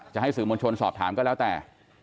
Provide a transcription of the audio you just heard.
จะให้สื่อมวลชนสอบถามก็แล้วแต่